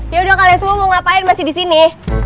yaudah kalian semua mau ngapain masih disini